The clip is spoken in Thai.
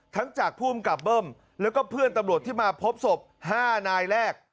จากภูมิกับเบิ้มแล้วก็เพื่อนตำรวจที่มาพบศพ๕นายแรก